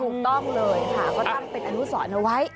ถูกต้องเลยค่ะก็ตั้งเป็นอนุสรเอาไว้